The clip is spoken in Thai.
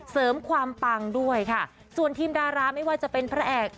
เสริมความปังด้วยค่ะส่วนทีมดาราไม่ว่าจะเป็นพระเอก